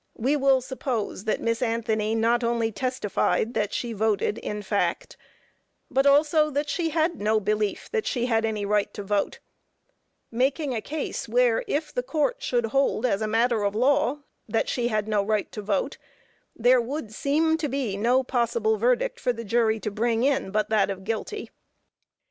We will suppose that Miss Anthony not only testified that she voted in fact, but also that she had no belief that she had any right to vote; making a case where, if the Court should hold as matter of law that she had no right to vote, there would seem to be no possible verdict for the jury to bring in but that of "guilty."